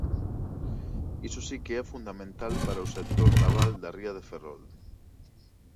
Iso si que é fundamental para o sector naval da ría de Ferrol.